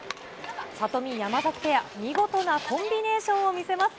里見・山崎ペア、見事なコンビネーションを見せます。